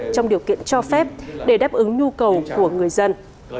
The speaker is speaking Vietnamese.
trong điều kiện cho phép để đáp ứng nhu cầu của người dân